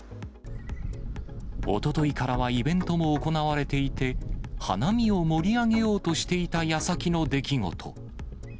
おとといからはイベントも行われていて、花見を盛り上げようとしていたやさきの出来事。